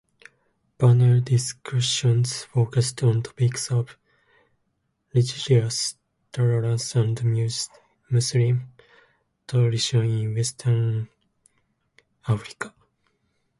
Panel discussions focused on topics of religious tolerance and Muslim tradition in West Africa.